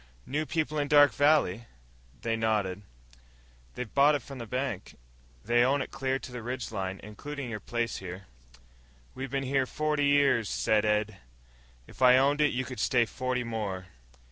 "New people in Dark Valley." They nodded. "They've bought it from the bank. They own it clear to the ridge line, including your place, here." "We been here forty years," said Ed. "If I owned it you could stay forty more."